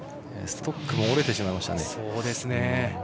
ストックも折れてしまいましたね。